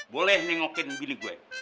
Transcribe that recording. boleh nengokin bini gue